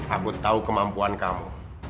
aku tahu kemampuan kamu